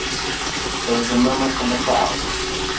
There was a murmur from the crowd.